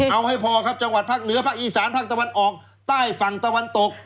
เอาให้พอครับจังหวัดภาคเหนือภาคอีสานภาคตะวันออกใต้ฝั่งตะวันตก